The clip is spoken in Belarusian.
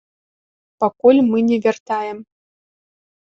Пакуль мы не вяртаем.